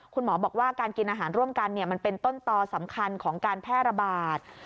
คุณหมอบอกว่าการกินอาหารร่วมกันมันเป็นต้นต่อสำคัญของการแพร่ระบาด